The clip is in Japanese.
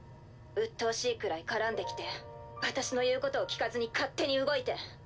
うっとうしいくらい絡んできて私の言うことを聞かずに勝手に動いて。